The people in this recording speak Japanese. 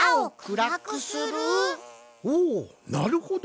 おおなるほど。